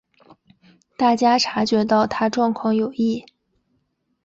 大家察觉到她状况有异